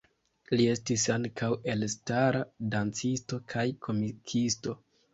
Li estis ankaŭ elstara dancisto kaj komikisto.